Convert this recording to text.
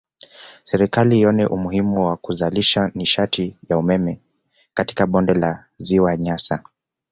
Serikali ione umuhimu wa kuzalisha nishati ya umeme katika bonde la ziwa Nyasa